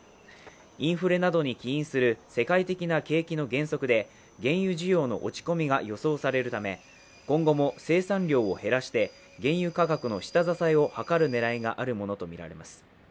インフレなどに起因する世界的な景気の減速で原油需要の落ち込みが予想されるため、今後も生産量を減らして原油価格の下支えを図る狙いがあるものとみられます。